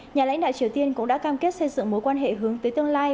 nhà lãnh đạo triều tiên cũng đã cam kết xây dựng mối quan hệ hướng tới tương lai